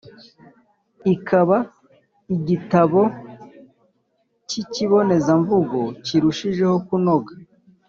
ikaba igitabo k’ikibonezamvugo kirushijeho kunoga.